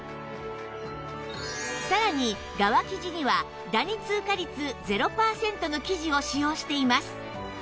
さらに側生地にはダニ通過率ゼロパーセントの生地を使用しています